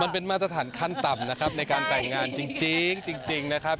มันเป็นมาตรฐานขั้นต่ำนะครับในการแต่งงานจริงนะครับ